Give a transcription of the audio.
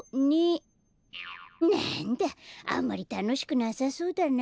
なんだあんまりたのしくなさそうだな。